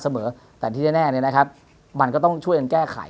เสมอแต่ที่แน่เนี่ยนะครับมันก็ต้องช่วยกันแก้ไข